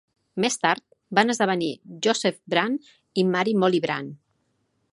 Més tard van esdevenir Joseph Brant i Mary "Molly" Brant.